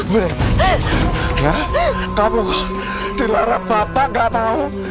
bu kamu kalau dilarang bapak tidak tahu